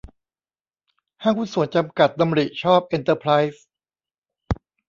ห้างหุ้นส่วนจำกัด ดำริห์ชอบเอนเตอรไพรส์